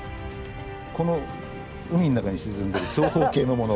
この海の中に沈んでいる長方形のもの。